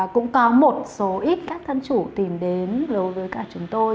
cũng có một số ít các thân chủ tìm đến đối với cả chúng tôi